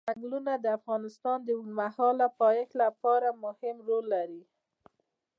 ځنګلونه د افغانستان د اوږدمهاله پایښت لپاره مهم رول لري.